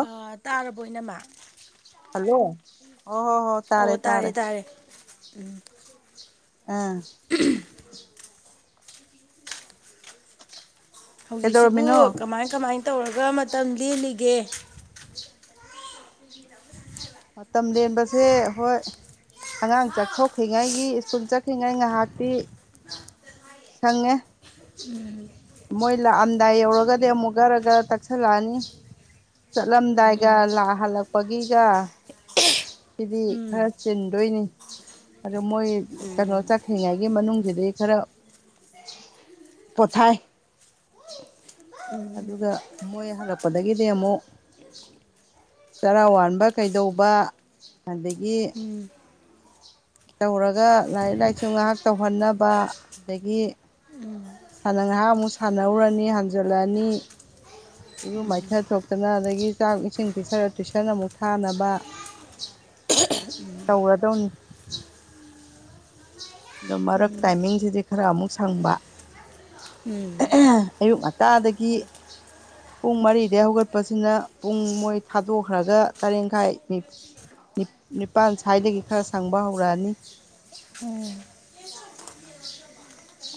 Hello ꯑ ꯇꯥꯔꯕꯣ ꯏꯅꯝꯃꯥ ꯍꯜꯂꯣ ꯑꯣ ꯍꯣ ꯍꯣ ꯇꯥꯔꯦ ꯇꯥꯔꯦ ꯎꯝ ꯑꯥ ꯍꯧꯖꯤꯛꯁꯤꯕꯨ ꯀꯩꯗꯧꯔꯝꯃꯤꯅꯣ ꯀꯃꯥꯏ ꯀꯃꯥꯏ ꯇꯧꯔꯒ ꯃꯇꯝ ꯂꯦꯜꯂꯤꯒꯦ ꯃꯇꯝ ꯂꯦꯟꯕꯁꯦ ꯍꯣꯏ ꯑꯉꯥꯡ ꯆꯠꯊꯣꯛꯈ꯭ꯔꯤꯉꯩꯒꯤ ꯁ꯭ꯀꯨꯜ ꯆꯠꯈ꯭ꯔꯤꯉꯩ ꯉꯥꯍꯥꯛꯇꯤ ꯁꯪꯉꯦ ꯎꯝ ꯃꯣꯏ ꯂꯥꯛꯑꯝꯗꯥꯏ ꯌꯧꯔꯒꯗꯤ ꯑꯃꯨꯛ ꯒꯔ ꯒꯔ ꯇꯛꯁꯜꯂꯛꯑꯅꯤ ꯆꯠꯂꯝꯗꯥꯏꯒ ꯂꯥ-ꯍꯜꯂꯛꯄꯒꯤꯒ ꯁꯤꯗꯤ ꯈꯔ ꯆꯤꯟꯗꯣꯏꯅꯤ ꯑꯗꯨ ꯃꯣꯏ ꯀꯩꯅꯣ ꯆꯠꯈ꯭ꯔꯤꯉꯩꯒꯤ ꯃꯅꯨꯡꯖꯤꯗꯤ ꯈꯔ ꯄꯣꯊꯥꯏ ꯑꯗꯨꯒ ꯃꯣꯏ ꯍꯜꯂꯛꯄꯗꯒꯤꯗꯤ ꯑꯃꯨꯛ ꯇꯔꯥ ꯋꯥꯟꯕ ꯀꯩꯗꯧꯕ ꯑꯗꯒꯤ ꯇꯧꯔꯒ ꯂꯥꯏꯔꯤꯛ ꯂꯥꯏꯁꯨ ꯉꯥꯍꯥꯛ ꯇꯧꯍꯟꯅꯕ ꯑꯗꯒꯤ ꯍꯥꯟꯅ ꯉꯥꯍꯥꯛ ꯑꯃꯨꯛ ꯁꯥꯟꯅꯧꯔꯅꯤ ꯍꯟꯖꯜꯂꯛꯑꯅꯤ ꯏꯔꯨ ꯃꯥꯏꯊ ꯊꯣꯛꯇꯅ ꯑꯗꯒꯤ ꯆꯥꯛ ꯏꯁꯤꯡ ꯄꯤꯖꯔ ꯇꯨꯏꯁꯟ ꯑꯃꯨꯛ ꯊꯥꯅꯕ [inaudible] ꯎꯝ ꯇꯧꯔꯗꯧꯅꯤ ꯑꯗꯣ ꯃꯔꯛ ꯇꯥꯏꯃꯤꯡꯖꯤꯗꯤ ꯈꯔ ꯑꯃꯨꯛ ꯁꯪꯕ ꯑꯌꯨꯛ ꯉꯟꯇꯥꯗꯒꯤ ꯄꯨꯡ ꯃꯔꯤꯗꯩꯩ ꯍꯧꯒꯠꯄꯖꯤꯅ ꯄꯨꯡ ꯃꯣꯏ ꯊꯥꯗꯣꯛꯈ꯭ꯔꯒ ꯇꯔꯦꯡꯈꯥꯏ ꯅꯤ ꯅꯤꯞ ꯅꯤꯄꯥꯥꯟ ꯁ꯭ꯋꯥꯏꯗꯒꯤ ꯈꯔ ꯁꯪꯕ ꯍꯧꯔꯛꯑꯅꯤ ꯎꯝ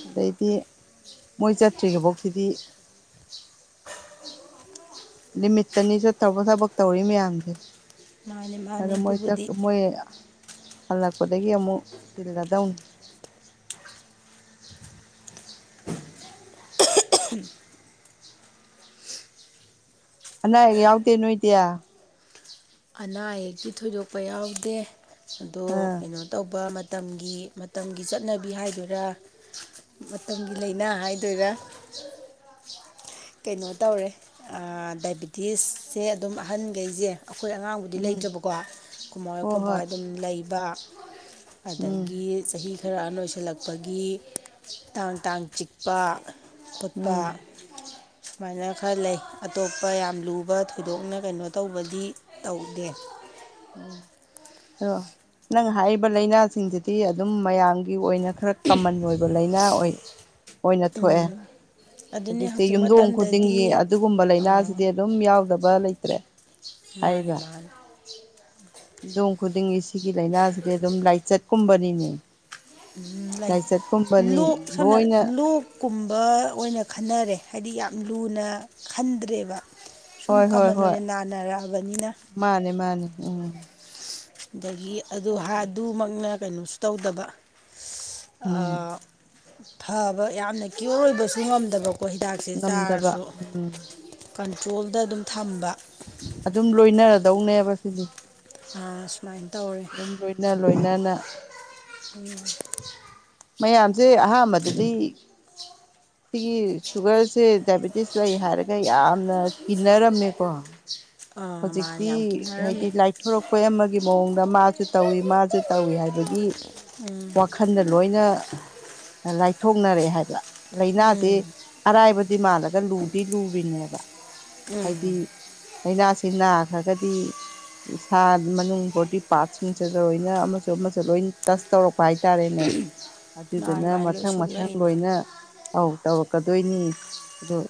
ꯑꯗꯩꯗꯤ ꯃꯣꯏ ꯆꯠꯇ꯭ꯔꯤꯕꯣꯛꯁꯤꯗꯤ ꯂꯤꯃꯤꯠꯇꯅꯤ ꯆꯠꯇꯧꯕ ꯊꯕꯛ ꯇꯧꯔꯤ ꯃꯌꯥꯝꯖꯦ ꯃꯥꯅꯦ ꯑꯗ ꯃꯥꯅꯦ ꯃꯣꯏ ꯆꯠ ꯑꯗꯨꯕꯨꯗꯤ ꯃꯣꯏ ꯍꯜꯂꯛꯄꯗꯒꯤ ꯑꯃꯨꯛ ꯆꯤꯜꯂꯗꯧꯅꯤ ꯑꯅꯥ ꯑꯌꯦꯛ ꯌꯥꯎꯗꯦ ꯅꯣꯏꯗꯤꯌꯥ ꯑꯅꯥ ꯑꯌꯦꯛꯀꯤ ꯊꯣꯏꯗꯣꯛꯄ ꯌꯥꯎꯗꯦ ꯑꯗꯣ ꯀꯩꯅꯣ ꯇꯧꯕ ꯃꯇꯝꯒꯤ ꯃꯇꯝꯒꯤ ꯆꯠꯅꯕꯤ ꯍꯥꯏꯗꯨꯏꯔꯥ ꯃꯇꯝꯒꯤ ꯂꯥꯏꯅꯥ ꯍꯥꯏꯗꯣꯏꯔꯥ ꯀꯩꯅꯣ ꯇꯧꯔꯦ ꯑꯥ ꯗꯥꯏꯕꯤꯇꯤꯁꯁꯦ ꯑꯗꯨꯝ ꯑꯍꯟꯒꯩꯖꯦ ꯑꯩꯈꯣꯏ ꯑꯉꯥꯡꯕꯨꯗꯤ ꯎꯝ ꯂꯩꯇꯕꯀꯣ ꯑꯩꯈꯣꯏꯃꯥꯍꯣꯏ ꯍꯣꯏ ꯍꯣꯏ ꯑꯩꯈꯣꯏꯕꯥꯍꯣꯏ ꯑꯗꯨꯝ ꯂꯩꯕ ꯎꯝ ꯑꯗꯒꯤ ꯆꯍꯤ ꯈꯔ ꯑꯍꯟ ꯑꯣꯏꯁꯜꯂꯛꯄꯒꯤ ꯇꯥꯡ ꯇꯥꯡ ꯆꯤꯛꯄ ꯄꯨꯠꯄ ꯎꯝ ꯁꯨꯃꯥꯏꯅ ꯈꯔ ꯂꯩ ꯑꯇꯣꯞꯄ ꯌꯥꯝ ꯂꯨꯕ ꯊꯣꯏꯗꯣꯛꯅ ꯀꯩꯅꯣ ꯇꯧꯕꯗꯤ ꯇꯧꯗꯦ ꯎꯝ ꯍꯥꯏꯔꯑꯣ ꯅꯪ ꯍꯥꯏꯔꯤꯕ ꯂꯥꯏꯅꯥꯁꯤꯡꯁꯤꯗꯤ ꯑꯗꯨꯝ ꯃꯌꯥꯝꯒꯤ ꯑꯣꯏꯅ ꯈꯔ ꯀꯃꯟ ꯑꯣꯏꯕ ꯂꯥꯏꯅꯥ ꯑꯣꯏ ꯑꯣꯏꯅ ꯊꯣꯛꯑꯦ ꯑꯗꯨꯅꯤ ꯍꯧꯖꯤꯛꯁꯦ ꯍꯧꯖꯤꯛ ꯌꯨꯝꯗꯣꯡ ꯃꯇꯝꯗꯗꯤ ꯈꯨꯗꯤꯡꯒꯤ ꯑꯗꯨꯒꯨꯝꯕ ꯂꯩꯥꯏꯅꯥꯖꯤ ꯖꯦ ꯑꯗꯨꯝ ꯌꯥꯎꯗꯕ ꯂꯩꯇ꯭ꯔꯦ ꯃꯥꯅꯦ ꯃꯥꯅꯦ ꯌꯨꯝꯗꯣꯡ ꯈꯨꯗꯤꯡꯒꯤ ꯁꯤꯒꯤ ꯂꯥꯏꯅꯥꯖꯤꯗꯤ ꯑꯗꯨꯝ ꯂꯥꯏꯆꯠꯀꯨꯝꯕꯅꯤꯅꯦ ꯎꯝ ꯂꯩ ꯂꯥꯏꯆꯠꯀꯨꯝꯕꯅꯤ ꯂꯣꯛ ꯁꯝꯅ ꯂꯣꯏꯅ ꯂꯣꯛ ꯀꯨꯝꯕ ꯑꯣꯏꯅ ꯈꯟꯅꯔꯦ ꯍꯥꯏꯕꯗꯤ ꯌꯥꯝ ꯂꯨꯅ ꯈꯟꯗ꯭ꯔꯦꯕ ꯁꯨꯝ ꯍꯣꯏ ꯍꯣꯏ ꯀꯃꯟ ꯍꯣꯏ ꯑꯣꯏꯅ ꯅꯥꯅꯔꯛꯑꯕꯅꯤꯅ ꯃꯥꯅꯦ ꯃꯥꯅꯦ ꯎꯝ ꯑꯗꯒꯤ ꯑꯗꯨ ꯍꯥ ꯑꯗꯨꯃꯛꯅ ꯀꯩꯅꯣꯁꯨ ꯇꯧꯗꯕ ꯎꯝ ꯐꯕ ꯌꯥꯝꯅ ꯀꯢꯌꯣ꯭ꯔ ꯑꯣꯏꯕꯁꯨ ꯉꯝꯗꯕꯀꯣ ꯍꯤꯗꯥꯛ ꯁꯦ ꯉꯝꯗꯕ ꯆꯥꯔꯁꯨ ꯎꯝ ꯀꯟꯇ꯭ꯔꯣꯜꯗ ꯑꯗꯨꯝ ꯊꯝꯕ ꯑꯗꯨꯝ ꯂꯣꯏꯅꯔꯗꯧꯅꯦꯕ ꯁꯤꯗꯤ ꯑꯥ ꯁꯨꯃꯥꯏꯅ ꯇꯧꯋꯦ ꯑꯗꯨꯝ ꯂꯣꯏꯅ ꯂꯣꯏꯅꯅ ꯎꯝ ꯃꯌꯥꯝꯖꯦ ꯑꯍꯥꯟꯕꯗꯗꯤ ꯁꯤꯒꯤ ꯁꯨꯒꯔꯁꯦ ꯗꯥꯏꯕꯦꯇꯤꯁ ꯂꯩ ꯍꯥꯏꯔꯒ ꯌꯥꯝꯅ ꯀꯤꯟꯅꯔꯝꯃꯦꯀꯣ ꯃꯥꯅ ꯍꯧꯖꯤꯛꯇꯤ ꯌꯥꯝ ꯀꯤꯅꯔꯝꯃꯤ ꯍꯥꯏꯗꯤ ꯂꯥꯏꯊꯣꯔꯛꯄ ꯑꯃꯒꯤ ꯃꯑꯣꯡꯗ ꯃꯥꯖꯨ ꯇꯧꯏ ꯃꯥꯖꯨ ꯇꯧꯏ ꯍꯥꯏꯕꯒꯤ ꯎꯝ ꯈꯟꯗ ꯂꯣꯏꯅ ꯂꯥꯏꯊꯣꯛꯅꯔꯦ ꯍꯥꯏꯕ ꯂꯥꯏꯅꯖꯦ ꯎꯝ ꯑꯔꯥꯏꯕꯗꯤ ꯃꯥꯜꯂꯒ ꯂꯨꯗꯤ ꯂꯨꯔꯤꯅꯦꯕ ꯍꯥꯏꯗꯤ ꯂꯥꯏꯅꯁꯦ ꯁꯤ ꯅꯥꯈ꯭ꯔꯒꯗꯤ ꯏꯁꯥ ꯃꯅꯨꯡ ꯕꯣꯗꯤ ꯄꯥꯔꯠꯁꯤꯡꯁꯤꯗ ꯂꯣꯏꯅ ꯑꯃꯁꯨ ꯑꯃꯁꯨ ꯂꯣꯏ ꯇꯁ ꯇꯧꯔꯛꯄ ꯍꯥꯏꯇꯥꯔꯦꯅꯦ ꯃꯥ ꯑꯗꯨꯗꯨꯅ ꯑꯗꯨꯃꯥꯏꯅ ꯂꯣꯏ ꯃꯊꯪ ꯃꯊꯪ ꯁꯣꯛꯂꯛꯏꯅꯤ ꯂꯣꯏꯅ ꯑꯧ ꯇꯧꯔꯛꯀꯗꯣꯏꯅꯤ ꯑꯗꫭ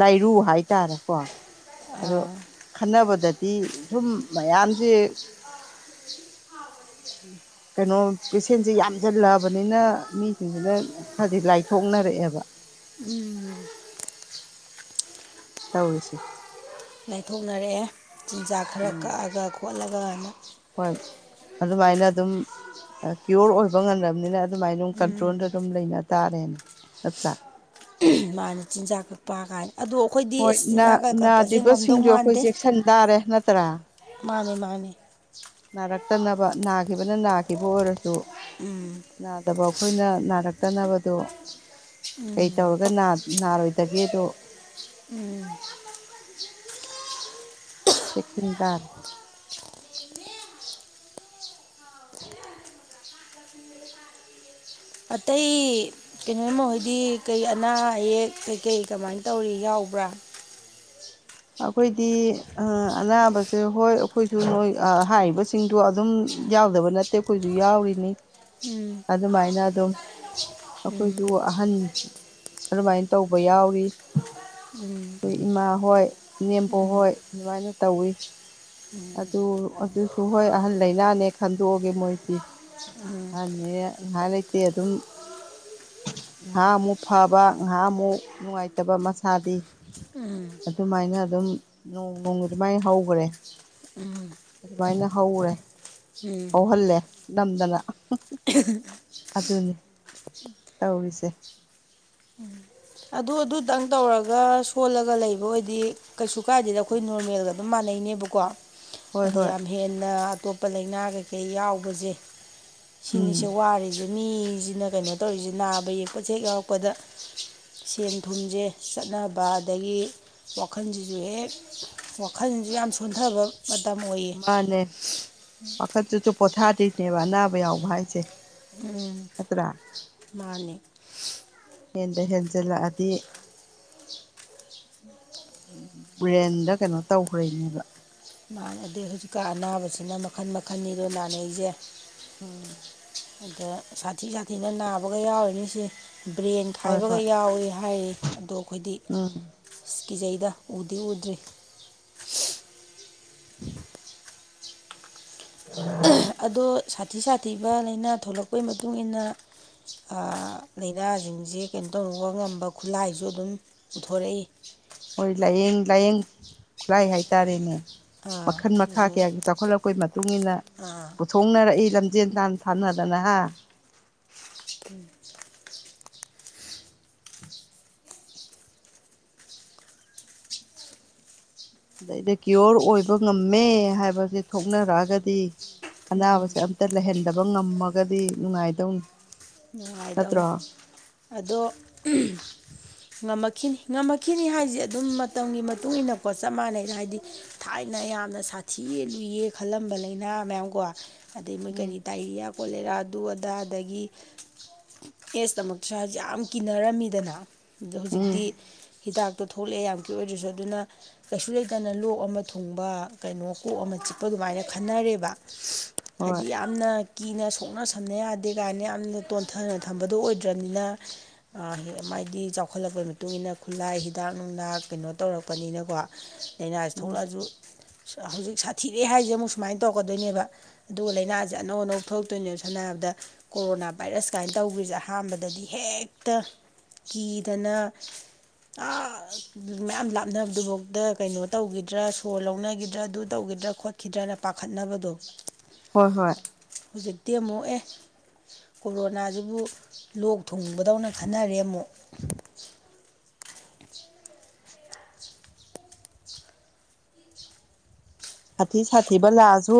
ꯂꯥꯏꯔꯨ ꯍꯥꯏꯇꯥꯔꯦꯀꯣ ꯑꯗꯣ ꯑꯥ ꯈꯟꯅꯕꯗꯗꯤ ꯁꯨꯝ ꯃꯌꯥꯝꯖꯦ ꯍ [unintelligible] ꯀꯩꯅꯣ ꯄꯦꯁꯦꯟꯖꯦ ꯌꯥꯝꯁꯤꯜꯂꯛꯑꯕꯅꯤꯅ ꯃꯤꯖꯤꯡꯖꯤꯅ ꯈꯔꯗꯤ ꯂꯥꯏꯊꯣꯛꯅꯔꯛꯑꯦꯕ ꯎꯝ ꯇꯔꯤꯁꯦ꯫ ꯂꯥꯏꯊꯣꯛꯅꯔꯛꯑꯦ ꯆꯤꯟꯖꯥꯛ ꯈꯔ ꯎꯝ ꯀꯛꯑꯒ ꯈꯣꯠꯂꯒꯅ ꯍꯣꯏ ꯑꯗꯨꯃꯥꯏꯅ ꯑꯗꯨꯝ ꯀꯤꯌꯣꯔ ꯑꯣꯏꯕ ꯉꯝꯗꯕꯅꯤꯅ ꯑꯗꯨꯃꯥꯏꯅ ꯑꯗꯨꯝ ꯎꯝ ꯀꯟꯇ꯭ꯔꯣꯜꯗ ꯑꯗꯨꯝ ꯂꯩꯅ ꯇꯥꯔꯦꯅꯦ ꯅꯠꯇ꯭ꯔꯥ꯫ ꯃꯥꯅꯦ ꯆꯤꯟꯖꯥꯛ ꯀꯛꯄ ꯀꯥꯏꯅ ꯑꯗꯣ ꯑꯩꯈꯣꯏꯗꯤ ꯍꯣꯏ ꯑꯁ ꯅꯥ ꯆꯤꯟꯖꯥꯛ ꯀ ꯀꯛꯄꯖꯦ ꯉꯝꯗꯧ ꯅꯥꯗ꯭ꯔꯤꯕꯁꯤꯡꯁꯨ ꯑꯩꯈꯣꯏ ꯃꯥꯟꯗꯦ꯫ ꯆꯦꯛꯁꯤꯟ ꯇꯥꯔꯦ ꯅꯠꯇ꯭ꯔꯥ꯫ ꯃꯥꯅꯦ ꯃꯥꯅꯦ ꯅꯥꯔꯛꯇꯅꯕ ꯅꯥꯒꯤꯕꯅ ꯅꯥꯒꯤꯕ ꯑꯣꯏꯔꯁꯨ ꯎꯝ꯫ ꯅꯥꯗꯕ ꯑꯩꯈꯣꯏꯅ ꯅꯥꯔꯛꯇꯅꯕꯗꯣ ꯀꯩ ꯇꯧꯔꯒ ꯅꯥ ꯅꯔꫭꯏꯗꯒꯦꯗꯣ ꯎꯝ [unintelligible] ꯆꯦꯛꯁꯤꯟ ꯇꯥꯔꯦ꯫ ꯑꯇꯩ ꯀꯩꯅꯣꯃꯣꯏꯗꯤ ꯀꯩ ꯑꯅꯥ ꯑꯌꯦꯛ ꯀꯩꯀꯩ ꯀꯃꯥꯏꯅ ꯇꯧꯔꯤ ꯌꯥꯎꯕ꯭ꯔꯥ ꯑꯩꯈꯣꯏꯗꯤ ꯑꯅꯥꯕꯁꯦ ꯍꯣꯏ ꯑꯩꯈꯣꯏꯁꯨ ꯅꯣꯏ ꯍꯥꯏꯔꯤꯕꯁꯤꯡꯗꯣ ꯑꯗꯨꯝ ꯌꯥꯎꯗꯕ ꯅꯠꯇꯦ ꯑꯩꯈꯣꯏꯖꯨ ꯌꯥꯎꯔꯤꯅꯤ ꯎꯝ ꯑꯗꯨꯃꯥꯏꯅ ꯑꯗꯨꯝ꯫ ꯎꯝ ꯑꯩꯈꯣꯏꯖꯨ ꯑꯍꯟ ꯑꯗꯨꯃꯥꯏꯅ ꯇꯧꯕ ꯌꯥꯎꯔꯤ ꯑꯩꯈꯣꯏ ꯏꯃꯥ ꯍꯣꯏ ꯏꯅꯦꯝꯄꯣꯛ ꯍꯣꯏ ꯑꯗꯨꯃꯥꯏꯅ ꯇꯧꯋꯤ꯫ ꯑꯗꯨ ꯑꯗꯨꯁꯨ ꯍꯣꯏ ꯑꯍꯟ ꯂꯩꯥꯏꯅꯥꯅꯦ ꯈꯟꯗꯣꯛꯑꯒꯦ ꯃꯣꯏꯗꯤ ꯎꯝ ꯑꯍꯟꯅꯤꯅ ꯉꯍꯥꯛ ꯂꯩꯇꯦ ꯑꯗꯨꯝ ꯉꯥꯍꯥꯛ ꯑꯃꯨꯛ ꯐꯕ ꯉꯥꯍꯥꯛ ꯑꯃꯨꯛ ꯅꯨꯡꯉꯥꯏꯇꯕ ꯃꯁꯥꯗꯤ ꯎꯝ ꯑꯗꯨꯃꯥꯏꯅ ꯑꯗꯨꯝ ꯅꯣꯡ ꯅꯣꯡꯃ ꯑꯗꯨꯃꯥꯏ ꯍꯧꯈꯔꯦ ꯎꯝ ꯑꯗꯨꯃꯥꯏꯅ ꯍꯧꯒꯔꯦ ꯍꯧꯍꯜꯂꯦ ꯅꯝꯗꯅ [inaudible] ꯑꯗꯨꯅꯤ ꯇꯧꯔꯤꯁꯦ ꯑꯗꯨ ꯑꯗꯨꯇꯪ ꯇꯧꯔꯒ ꯁꯣꯜꯂꯒ ꯂꯩꯕ ꯑꯣꯏꯗꯤ ꯀꯩꯁꯨ ꯀꯥꯏꯗꯦꯗ ꯑꯩꯈꯣꯏ ꯅꯣꯔꯃꯦꯜꯒ ꯑꯗꯨꯝ ꯃꯥꯟꯅꯩꯅꯦꯕꯀꯣ ꯍꯣꯏ ꯑꯗ ꯍꯣꯏ ꯌꯥꯝ ꯍꯦꯟꯅ ꯑꯇꯣꯞꯄ ꯂꯩꯅꯥ ꯀꯩꯀꯩ ꯌꯥꯎꯕꯁꯦ ꯁꯤꯅꯤꯁꯦ ꯎꯝ ꯋꯥꯔꯤꯖꯦ ꯃꯤꯖꯤꯅ ꯀꯩꯅꯣ ꯇꯧꯔꯤꯖꯦ ꯅꯥꯕ ꯌꯦꯛꯄꯁꯦ ꯍꯦꯛ ꯌꯥꯎꯔꯛꯄꯗ ꯁꯦꯟ ꯊꯨꯝꯖꯦ ꯆꯠꯅꯕ ꯑꯗꯒꯤ ꯋꯥꯈꯜꯖꯤꯖꯨ ꯍꯦꯛ ꯋꯥꯈꯜꯖꯨ ꯌꯥꯝ ꯁꯣꯟꯊꯕ ꯃꯇꯝ ꯑꯣꯏ ꯃꯥꯅꯦ ꯋꯥꯈꯟꯟꯗꯨꯁꯨ ꯄꯣꯊꯥꯗꯣꯏꯅꯦꯕ ꯑꯅꯥꯕ ꯌꯥꯎꯕ ꯍꯥꯏꯁꯦ ꯎꯝ ꯅꯠꯇ꯭ꯔꯥ ꯃꯥꯅꯦ ꯍꯦꯟꯗ ꯍꯦꯟꯖꯜꯂꯛꯑꯗꯤ ꯕ꯭ꯔꯦꯟꯗ ꯀꯩꯅꯣ ꯇꯧꯈ꯭ꯔꯤꯅꯦꯕ ꯃꯥꯟꯅꯗꯦ ꯍꯧꯖꯤꯛꯀꯥꯟ ꯑꯅꯥꯕꯁꯤꯅ ꯃꯈꯜ ꯃꯈꯟꯅꯤꯗꫭ ꯅꯥꯅꯩꯖꯦ ꯎꯝ ꯑꯗ ꯁꯥꯊꯤ ꯁꯥꯊꯤꯅ ꯅꯥꯕꯒ ꯌꯥꯎꯔꯤꯅꯤ ꯁꯤ ꯕ꯭ꯔꯦꯟ ꯍꯣꯏ ꯈꯥꯏꯕꯒ ꯍꯣꯏ ꯌꯥꯎꯋꯤ ꯍꯥꯏꯌꯦ ꯑꯗꯣ ꯑꯩꯈꯣꯏꯗꯤ ꯎꯝ ꯑꯁ ꯀꯤꯖꯩꯗ ꯎꯗꯤ ꯎꯗ꯭ꯔꯤ ꯎ [inaudible] ꯑꯗꯣ ꯁꯥꯊꯤ ꯁꯥꯊꯤꯕ ꯂꯩꯅꯥ ꯊꯣꯛꯂꯛꯄꯩ ꯃꯇꯨꯡꯏꯟꯅ ꯂꯥꯏꯅꯥꯖꯤꯡꯖꯤ ꯀꯩꯅꯣ ꯇꯧꯔꯨꯕ ꯉꯝꯕ ꯈꯨꯠꯂꯥꯏꯁꯨ ꯑꯗꯨꯝ ꯄꯨꯊꯣꯔꯛꯏ ꯍꯣꯏ ꯂꯥꯏꯌꯦꯡ ꯂꯥꯏꯌꯦꯡ ꯈꯨꯠꯂꯥꯏ ꯍꯥꯏꯇꯥꯔꯦꯅꯦ ꯑꯥ ꯃꯈꯜ ꯃꯈꯥ ꯁꯤꯁꯨ ꯀꯌꯥꯒꯤ ꯆꯥꯎꯈꯠꯂꯛꯄꯒꯤ ꯃꯇꯨꯡ ꯃꯇꯨꯡꯏꯟꯅ ꯑꯥ ꯄꯨꯊꯣꯛꯅꯔꯛꯏ ꯂꯝ ꯖꯦꯟ ꯇꯥꯟ ꯊꯥꯅꯗꯅ ꯍꯥ ꯎꯝ ꯑꯗꯩꯗ ꯀꯤꯌꯣꯔ ꯑꯣꯏꯕ ꯉꯝꯃꯦ ꯍꯥꯏꯕꯁꯦ ꯊꯣꯛꯅꯔꯛꯑꯒꯗꯤ ꯑꯅꯥꯕꯁꯦ ꯑꯝ ꯇ ꯂꯩꯍꯟꯗꯕ ꯉꯝꯃꯒꯗꯤ ꯅꯨꯡꯉꯥꯏꯗꯧꯅꯤ ꯅꯨꯡꯉꯥꯏꯗꯧꯅꯤ ꯅꯠꯇ꯭ꯔꯣ ꯑꯗꯣ ꯎꯝ ꯉꯝꯃꯛꯈꯤꯅꯤ ꯉꯝꯃꯛꯈꯤꯅꯤ ꯍꯥꯏꯁꯦ ꯑꯗꯨꯝ ꯃꯇꯝꯒꯤ ꯃꯇꯨꯡ ꯏꯟꯅꯀꯣ ꯆꯞ ꯃꯥꯟꯅꯩꯗ ꯍꯥꯏꯗꯤ ꯊꯥꯏꯅ ꯌꯥꯝꯅ ꯁꯥꯊꯤꯌꯦ ꯂꯨꯏꯌꯦ ꯈꯜꯂꯝꯕ ꯂꯥꯏꯅꯥ ꯃꯌꯥꯝ ꯀꯣ ꯑꯗꯩ ꯃꯣꯏ ꯎꯝ ꯀꯔꯤ ꯗꯥꯏꯔꯤꯌꯥ ꯀꯣꯂꯦꯔꯥ ꯑꯗꯨ ꯑꯗꯥ ꯑꯗꯒꯤ ꯑꯦꯁꯇꯃꯛꯁꯨ ꯌꯥꯝ ꯀꯤꯅꯔꯝꯃꯤꯗꯅ ꯑꯗꯣ ꯎꯝ ꯍꯧꯖꯤꯛꯇꯤ ꯍꯤꯗꯥꯛꯇꯣ ꯊꯣꯛꯂꯛꯑꯦ ꯌꯥꯝꯀꯤꯌꫭꯔ ꯑꯣꯏꯗꯔꯁꯨ ꯑꯗꯨꯅ ꯀꯩꯁꯨ ꯂꯩꯇꯅ ꯂꯣꯛ ꯑꯃ ꯊꯨꯡꯕ ꯀꯩꯅꯣ ꯀꯣꯛ ꯑꯃ ꯆꯤꯛꯄ ꯑꯗꯨꯃꯥꯏꯅ ꯈꯟꯅꯔꯦꯕ ꯍꯣꯏ ꯍꯥꯏꯗꯤ ꯌꯥꯝꯅ ꯀꯤꯅ ꯁꯣꯛꯅ ꯁꯝꯅ ꯌꯥꯗꯦ ꯀꯥꯏꯅ ꯌꯥꯝꯅ ꯇꯣꯟꯊꯅ ꯊꯝꯕꯗꯣ ꯑꯣꯏꯗ꯭ꯔꯝꯅꯤꯅ ꯑ ꯍꯦꯛ ꯃꯥꯏꯗꯤ ꯆꯥꯎꯈꯠꯂꯛꯄꯩ ꯃꯇꯨꯡ ꯏꯟꯅ ꯈꯨꯠꯂꯥꯏ ꯍꯤꯗꯥꯛ ꯅꯨꯡꯅꯥꯡ ꯀꯩꯅꯣ ꯇꯧꯔꯛꯄꯅꯤꯅꯀꯣ꯫ [inaudible] ꯂꯥꯏꯅꯥꯁꯤ ꯎꯝ ꯊꯣꯛꯂꯛꯑꯁꯨ ꯍꯧꯖꯤꯛ ꯁꯥꯊꯤꯔꯦ ꯍꯥꯏꯁꯦ ꯑꯃꯨꯛ ꯁꯨꯃꯥꯏꯅ ꯇꯧꯔꯛꯀꯗꯣꯏꯅꯦꯕ꯫ ꯑꯗꯨꯒ ꯂꯥꯏꯅꯥꯁꯦ ꯑꯅꯧ ꯑꯅꯧꯕ ꯊꯣꯛꯂꯛꯇꯣꯏꯅꯦꯕ ꯁꯝꯅ ꯍꯥꯏꯔꯕꯗ ꯀꯣꯔꯣꯅꯥ ꯚꯥꯏꯔꯁ ꯀꯥꯏꯟ ꯇꯧꯒ꯭ꯔꯤꯖꯦ ꯑꯍꯥꯟꯕꯗꯗꯤ ꯍꯦꯛꯇ ꯀꯤꯗꯅ ꯑꯥ ꯃꯌꯥꯝ ꯂꯥꯞꯅꯕꯗꯨꯐꯥꯎꯗ ꯀꯩꯅꯣ ꯇꯧꯈꯤꯗ꯭ꯔꯥ ꯁꯣꯔ ꯂꯧꯅꯈꯤꯗ꯭ꯔꯥ ꯑꯗꯨ ꯇꯧꯈꯤꯗ꯭ꯔꯥ ꯈꫭꯠ ꯈꯤꯗ꯭ꯔꯅ ꯄꯥꯈꯠꯅꯕꯗꯣ꯫ ꯍꯣꯏ ꯍꯣꯏ꯫ ꯍꯧꯖꯤꯛꯇꯤ ꯑꯃꯨꯛ ꯑꯦ꯫ ꯀꯣꯔꯣꯅꯥꯁꯤꯕꯨ ꯂꯣꯛ ꯊꯨꯡꯕꯗꯧꯅ ꯈꯟꯅꯔꯦ ꯑꯃꯨꯛ꯫ ꯁꯥꯊꯤ ꯁꯥꯊꯤꯕ ꯂꯥꯛꯑꯁꯨ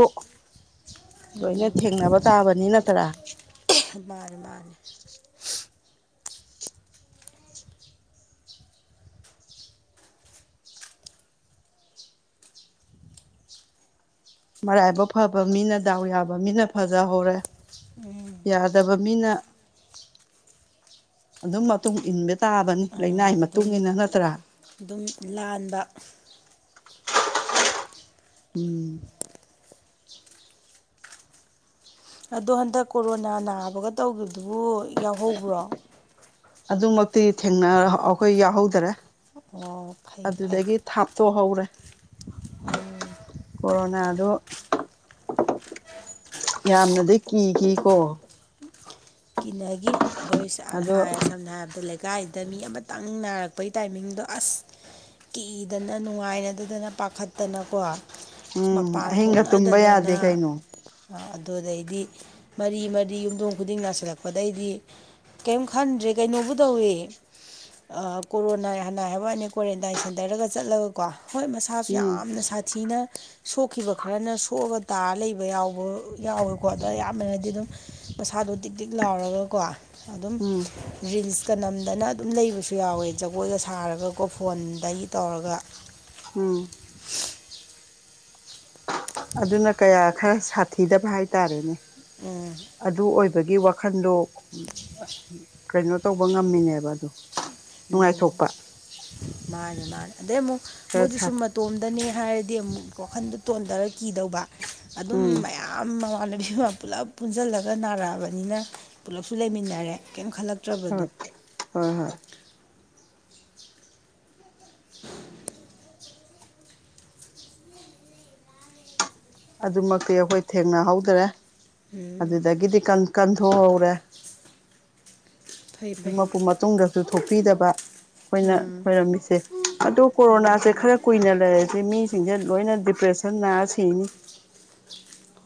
ꯂꯣꯏꯅ ꯊꯦꯡꯅꯕ ꯇꯥꯕꯅꯤ ꯅꯠꯇ꯭ꯔꯥ꯫ [unintelligible] ꯃꯥꯅꯦ-ꯃꯥꯅꯦ꯫ ꯃꯔꯥꯏꯕꯛ ꯐꯕ ꯃꯤꯅ ꯗꯥꯎ ꯌꯥꯕ ꯃꯤꯅ ꯐꯖꯍꯧꯔꯦ꯫ ꯎꯝ ꯌꯥꯗꯕ ꯃꯤꯅ ꯃꯇꯨꯡ ꯏꯟꯕ ꯇꯥꯕꯅꯤ ꯂꯅꯥꯏ ꯑꯗꯨꯝ ꯃꯇꯨꯡ ꯏꯟꯅ ꯅꯠꯇ꯭ꯔꯥ꯫ ꯑꯗꯨꯝ ꯂꯥꯟꯕ꯫ ꯎꯝ꯫ [unintelligible] ꯑꯗꯣ ꯍꯟꯗꯛ ꯀꯣꯔꯣꯅꯥ ꯅꯥꯕꯒ ꯇꯧꯈꯤꯕꯗꯨꯕꯨ ꯌꯥꯎꯍꯧꯕ꯭ꯔꯣ꯫ ꯑꯗꯨꯃꯛꯇꯤ ꯊꯦꯡꯅ ꯑꯈꯣꯏ ꯌꯥꯎꯍꯧꯗ꯭ꯔꯦ꯫ ꯑꯣ ꯐꯩ ꯐꯩ ꯑꯗꯨꯗꯒꯤ ꯊꯥꯞꯇꯣꯛꯍꯧꯔꯦ꯫ ꯀꯣꯔꯣꯅꯥꯗꯣ ꯌꯥꯝꯅꯗꯤ ꯀꯤꯈꯤꯀꯣ꯫ ꯀꯤꯅꯒꯤ ꯑꫭꯏꯁ ꯑꯥ ꯑꯗꯣ ꯍꯥꯏ ꯁꯝꯅ ꯍꯥꯏꯔꯕꯗ ꯂꯩ ꯀꯥꯏꯗ ꯃꯤ ꯑꯃꯇꯪ ꯅꯥꯔꯛꯄꯒꯤ ꯇꯥꯏꯃꯤꯡꯗꯣ ꯑꯁ꯫ ꯀꯤꯗꯅ ꯅꯨꯡꯉꯥꯏꯅꯗꯗꯅ ꯄꯥꯈꯠꯇꯅꯀꯣ꯫ ꯁ ꯎꯝ ꯃꯄꯥꯟ ꯑꯍꯤꯡꯒ ꯇꯨꯝꯕ ꯌꯥꯗꯦ ꯊꯣꯛꯅꯗꯗꯅ꯫ ꯀꯩꯅꯣ ꯑ ꯑꯗꯨꯗꯩꯗꯤ ꯃꯔꯤ-ꯃꯔꯤ ꯌꯨꯝꯊꯣꯡ ꯈꯨꯗꯤꯡꯅ ꯂꯥꯁ ꯂꯛꯄꯗꯩꯗꯤ ꯀꯩꯝ ꯈꯟꯗ꯭ꯔꯦ ꯀꯩꯅꯣꯕꯨ ꯇꯧꯋꯦ꯫ ꯀꯣꯔꯣꯅꯥ ꯍꯅꯥꯏ ꯍꯥꯏꯕ ꯋꯥꯅꯤ ꯀ꯭ꯋꯥꯔꯦꯟꯇꯥꯏꯟ ꯁꯦꯟꯇꯔꯒ ꯆꯠꯂꯒꯀꯣ ꯍꯣꯏ ꯃꯁ ꯁꯥꯁꯨ ꯎꯝ ꯌꯥꯝꯅ ꯁꯥꯊꯤꯅ ꯁꯣꯛꯈꯤꯕ ꯈꯔꯅ ꯁꯣꯛꯑꯒ ꯇꯥꯔ ꯂꯩꯕ ꯌꯥꯎꯕ ꯌꯥꯎꯋꯦꯀꯣ ꯑꯗ ꯑꯌꯥꯝꯕꯅꯗꯤ ꯑꯗꯨꯝ ꯄꯩꯁꯥꯗꯣ ꯗꯤꯛ-ꯗꯤꯛ ꯂꯥꯎꯔꯒꯀꯣ ꯑꯗꯨꯝ ꯎꯝ ꯔꯤꯜꯁ ꯀ ꯅꯝꯗꯅ ꯑꯗꯨꯝ ꯂꯩꯕꯁꯨ ꯌꯥꯎꯋꯦ ꯖꯒꯣꯏꯒ ꯁꯥꯔꯒꯀꯣ ꯐꯣꯟꯗꯒꯤ ꯇꯧꯔꯒ꯫ ꯎꯝ ꯑꯗꯨꯅ ꯀꯌꯥ ꯈꯔ ꯁꯥꯊꯤꯗꯕ ꯍꯥꯏꯇꯥꯔꯦꯅꯦ꯫ ꯎꯝ ꯑꯗꯨ ꯑꯣꯏꯕꯒꯤ ꯋꯥꯈꯟꯗꯣ ꯀꯩꯅꯣ ꯇꯧꯕ ꯉꯝꯃꯤꯅꯦꯕ ꯑꯗꯣ ꯅꯨꯡꯉꯥꯏꯊꯣꯛꯄ꯫ ꯃꯥꯅꯦ-ꯃꯥꯅꯦ ꯑꯗꯩ ꯃꯨꯛ ꯈꯔ ꯃꯣꯏꯗꯨ ꯁꯥ ꯁꯨꯝꯃ ꯇꯣꯝꯗꯅꯤ ꯍꯥꯏꯔꯗꯤ ꯑꯃꯨꯛ ꯋꯥꯈꯟꯗ ꯇꯣꯟꯙꯔ ꯀꯤꯗꯧꯕ ꯑꯗꯨꯝ ꯎꯝ ꯃꯌꯥꯝ ꯌꯥꯝ ꯃꯃꯥꯟꯅꯕꯤ ꯃ ꯄꯨꯂꯞ ꯄꯨꯟꯁꯤꯜꯂꯒ ꯅꯥꯔꯛꯑꯕꯅꯤꯅ ꯄꯨꯂꯞꯁꯨ ꯂꯩꯃꯤꯟꯅꯔꯦ ꯀꯩꯝ ꯈꯜꯂꯛ ꯍꯣꯏ ꯍꯣꯏ ꯍꯣꯏ꯫ ꯑꯗꯨꯃꯛꯇꯤ ꯑꯩꯈꯣꯏ ꯊꯦꯡꯅꯍꯧꯗ꯭ꯔꯦ ꯎꯝ ꯑꯗꯨꯗꯒꯤꯗꯤ ꯀꯟ ꯀꯟꯊꯣꯛꯍꯧꯔꯦ꯫ ꯐꯩ ꯐꯩ ꯑꯗꯨꯃꯛꯄꯨ ꯃꯇꯨꯡꯗꯁꯨ ꯊꯣꯛꯄꯤꯗꯕ꯫ ꯑꯩꯈꯣꯏꯅ ꯈꯣꯏꯔꯝꯃꯤꯁꯦ ꯑꯗꯣ ꯃꯥꯅꯤ [inaudible] ꯁꯤꯡꯁꯦ ꯂꯣꯏꯅ ꯗꯤꯄ꯭ꯔꯦꯁꯟ ꯅꯥꯔ ꯁꯤꯅꯤ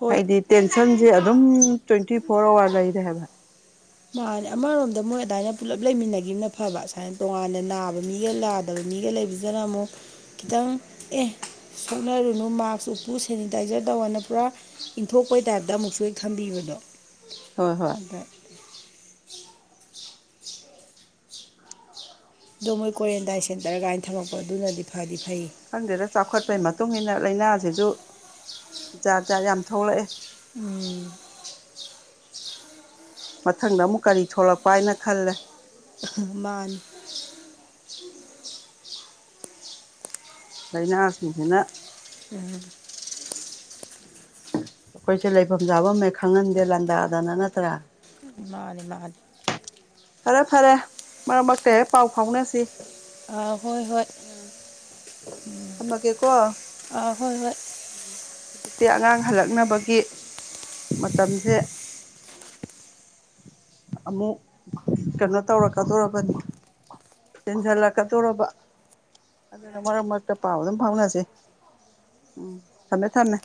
ꯍꯣꯏ ꯍꯥꯏꯗꯤ ꯇꯦꯟꯁꯟꯖꯦ ꯑꯗꯨꯝ ꯇ꯭ꯋꯦꯟꯇꯤ ꯐꯣꯔ ꯑꯥꯋꯥꯔ ꯂꯩꯔꯦ ꯍꯥꯏꯕ ꯃꯥꯅꯤ ꯑꯃꯔꯣꯝꯗ ꯃꯣꯏ ꯑꯗꯥꯏꯅ ꯄꯨꯜꯂꯞ ꯂꯩꯃꯤꯟꯅꯒꯤꯕꯅ ꯐꯕ ꯁꯥꯏꯅ ꯇꯣꯉꯥꯟꯅ ꯅꯥꯕ ꯃꯤꯒ ꯅꯥ ꯗꯕ ꯃꯤꯒ ꯂꯩꯕꯖꯤꯅ ꯑꯃꯨꯛ ꯈꯤꯇꯪ ꯑꯦ ꯁꯣꯛꯅꯔꯨꯅꯨ ꯃꯥꯛꯁ ꯎꯞꯄꯨ ꯁꯦꯅꯤꯇꯥꯏꯖꯔ ꯇꯧꯑꯣꯅ ꯄꯨꯔꯥ ꯏꯟꯊꯣꯛꯄꯩ ꯇꯥꯏꯞꯇ ꯑꯃꯨꯛꯁꯨ ꯍꯦꯛ ꯊꯝꯕꯤꯕꯗꯣ ꯍꯣꯏ ꯍꯣꯏ ꯑꯗ ꯑꯗꯣ ꯃꯣꯏ ꯀ꯭ꯋꯥꯔꯦꯟꯇꯥꯏꯟ ꯁꯦꯟꯇꯔ ꯀꯥꯏꯅ ꯊꯝꯃꯛꯄ ꯑꯗꯨꯅꯗꯤ ꯐꯗꯤ ꯐꯩꯌꯦ ꯈꯪꯗꯦꯗ ꯆꯥꯎꯈꯠꯄꯩ ꯃꯇꯨꯡ ꯏꯟꯅ ꯂꯥꯏꯅꯥꯁꯤꯁꯨ ꯖꯥꯠ ꯖꯥꯠ ꯌꯥꯝ ꯊꯣꯛꯂꯛꯑꯦ ꯎꯝ ꯃꯊꯪꯗ ꯑꯃꯨꯛ ꯀꯔꯤ ꯊꯣꯛꯂꯛꯄ ꯍꯥꯏꯅ ꯈꯜꯂꯦ ꯃꯥꯟꯅꯤ ꯂꯩꯥꯅꯥꯁꯤꯡꯁꯤꯅ ꯎꯝ ꯑꯩꯈꯣꯏꯁꯦ ꯂꯩꯐꯝ ꯆꯥꯐꯝ ꯍꯦꯛ ꯈꯪꯍꯟꯗꯦ ꯂꯥꯟꯗꯥꯗꯅ ꯅꯠꯇ꯭ꯔꯥ ꯃꯥꯅꯤ ꯃꯥꯅꯤ ꯐꯔꯦ ꯐꯔꯦ ꯃꯔꯛ ꯃꯔꯛꯇ ꯍꯦꯛ ꯄꯥꯎ ꯐꯥꯎꯅꯁꯤ ꯑꯥ ꯍꯣꯏ ꯍꯣꯏ ꯎꯝ ꯊꯝꯃꯒꯦꯀꯣ ꯑꯥ ꯍꯣꯏ ꯍꯣꯏ ꯍꯧꯖꯤꯛꯇꯤ ꯑꯉꯥꯡ ꯍꯜꯂꯛꯅꯕꯒꯤ ꯃꯇꯝꯁꯦ ꯑꯃꯨꯛ ꯀꯩꯅꯣ ꯇꯧꯔꯛꯀꯗꯧꯔꯕꯅꯤ ꯆꯦꯟꯖꯜꯂꯛꯀꯗꯣꯔꯕ ꯑꯗꯨꯅ ꯃꯔꯛ ꯃꯔꯛꯇ ꯄꯥꯎ ꯑꯗꯨꯝ ꯐꯥꯎꯅꯁꯤ ꯎꯝ ꯊꯝꯃꯦ ꯊꯝꯃꯦ